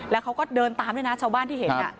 แล้วเขาก็เดินตามด้วยนะชาวบ้านที่เห็น